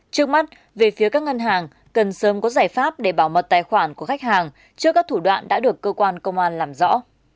trước mắt về phía các ngân hàng cần sớm có giải pháp để bảo mật tài khoản của khách hàng trước các thủ đoạn đã được cơ quan công an làm rõ